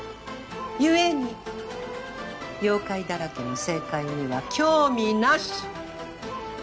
故に妖怪だらけの政界には興味なし！